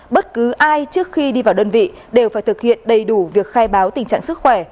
bất cứ ai trước khi đi vào đơn vị đều phải thực hiện đầy đủ việc khai báo tình trạng sức khỏe